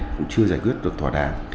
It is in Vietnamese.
cũng chưa giải quyết được thỏa đảng